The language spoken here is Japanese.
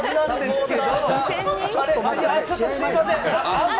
すみません。